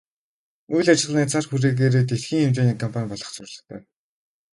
Үйл ажиллагааны цар хүрээгээрээ дэлхийн хэмжээний компани болох зорилготой.